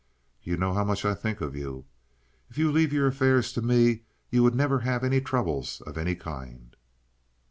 You know how much I think of you. If you leave your affairs to me you would never have any troubles of any kind."